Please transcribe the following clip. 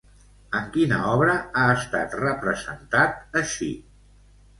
En quina obra ha estat representat així?